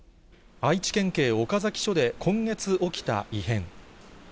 愛知県警岡崎署で今月起きた異変。